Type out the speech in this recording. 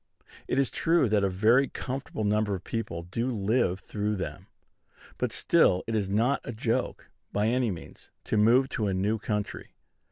It is true that a very comfortable number of people do live through them; but still it is not a joke, by any means, to move to a new country.